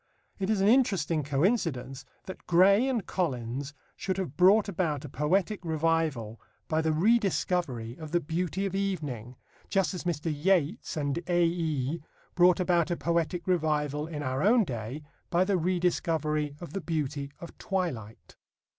It is an interesting coincidence that Gray and Collins should have brought about a poetic revival by the rediscovery of the beauty of evening, just as Mr. Yeats and "A.E." brought about a poetic revival in our own day by the rediscovery of the beauty of twilight.